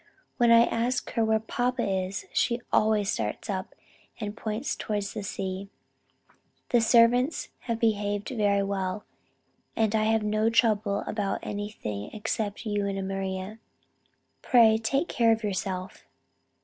When I ask her where Papa is, she always starts up and points toward the sea. The servants behave very well, and I have no trouble about anything except you and Maria. Pray take care of yourself....